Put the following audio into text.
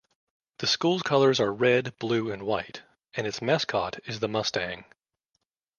The school's colors are red, blue and white and its mascot is the Mustang.